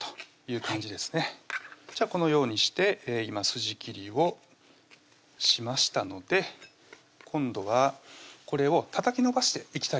じゃあこのようにして今筋切りをしましたので今度はこれをたたき伸ばしていきたいと思います